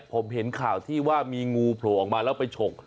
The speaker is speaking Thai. ผมเห็นข่าวที่ว่ามีงูโผล่ออกมาแล้วไปฉก